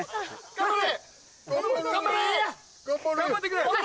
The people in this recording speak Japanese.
頑張れ！